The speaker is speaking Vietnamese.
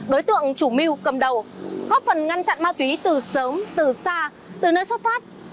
đối tượng chủ mưu cầm đầu góp phần ngăn chặn ma túy từ sớm từ xa từ nơi xuất phát